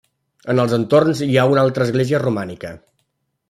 En els entorns hi ha una altra església romànica: